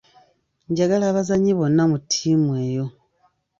Njagala abazannyi bonna mu ttiimu eyo.